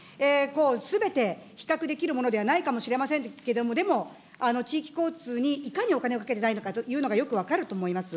すべて比較できるものではないかもしれませんけれども、でも地域交通にいかにお金をかけてないのかというのがよく分かると思います。